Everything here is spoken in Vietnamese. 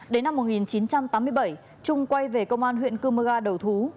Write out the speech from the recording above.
đến năm một nghìn chín trăm tám mươi bảy trung quay về công an huyện cơ mơ ga đầu thú